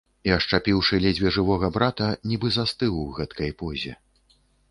І, ашчапіўшы ледзьве жывога брата, нібы застыў у гэткай позе.